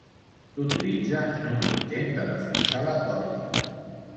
S'utilitza en un intent de reforçar la còrnia.